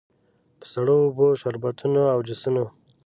په سړو اوبو، شربتونو او جوسونو.